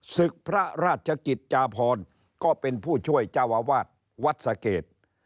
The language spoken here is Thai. ศึกพระราชกิจจาพรก็เป็นผู้ช่วยเจ้าอาวาสวัดสะเกด